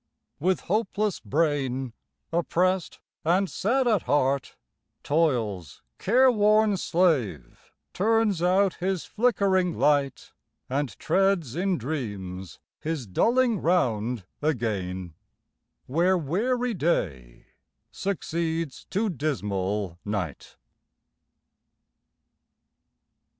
With hopeless brain, oppressed and sad at heart, Toil's careworn slave turns out his flickering light And treads in dreams his dulling round again, Where weary day succeeds to dismal night.